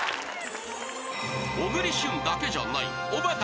［小栗旬だけじゃないおばた